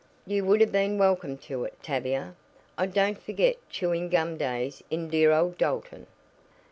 You would have been welcome to it, Tavia. I don't forget chewing gum days in dear old Dalton."